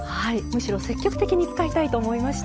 むしろ積極的に使いたいなと思います。